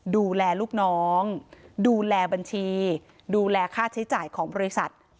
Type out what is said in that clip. ดูแลลูกน้องดูแลบัญชีดูแลค่าใช้จ่ายของบริษัท